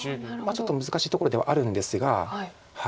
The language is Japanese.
ちょっと難しいところではあるんですが。